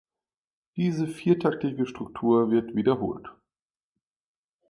Diese viertaktige Struktur wird wiederholt.